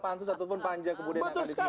pansus ataupun panjang kemudian